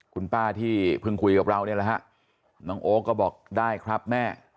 คุณป้าที่เพิ่งคุยกับเราเนี่ยแหละฮะน้องโอ๊คก็บอกได้ครับแม่